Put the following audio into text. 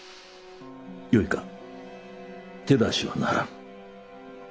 よいか手出しはならぬ。